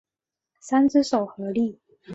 三只手合力。